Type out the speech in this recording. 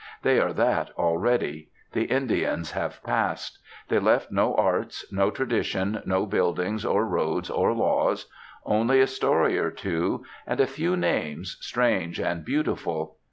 They are that already. The Indians have passed. They left no arts, no tradition, no buildings or roads or laws; only a story or two, and a few names, strange and beautiful.